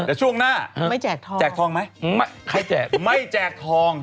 แต่ช่วงหน้าแจกทองไหมไม่แจกทอง